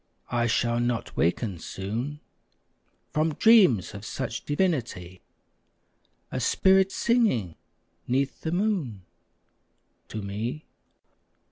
I shall not waken soon From dreams of such divinity! A spirit singing 'neath the moon To me.